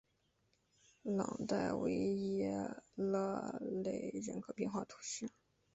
朗代维耶伊勒人口变化图示